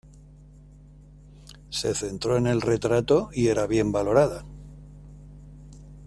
Se centró en el retrato y era bien valorada.